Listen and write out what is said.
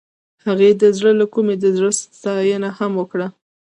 هغې د زړه له کومې د زړه ستاینه هم وکړه.